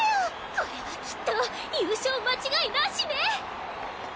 これはきっと優勝間違いなしね！